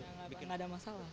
nggak ada masalah